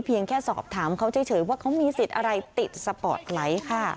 แค่สอบถามเขาเฉยว่าเขามีสิทธิ์อะไรติดสปอร์ตไลท์ค่ะ